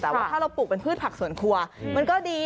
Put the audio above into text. แต่ว่าถ้าเราปลูกเป็นพืชผักสวนครัวมันก็ดี